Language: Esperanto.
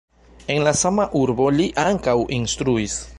En La sama urbo li ankaŭ instruis.